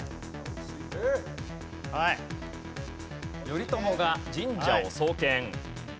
頼朝が神社を創建。